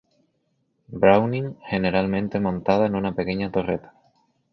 Browning, generalmente montada en una pequeña torreta.